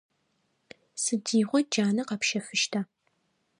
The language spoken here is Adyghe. Сыдигъо джанэ къэпщэфыщта?